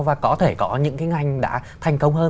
và có thể có những cái ngành đã thành công hơn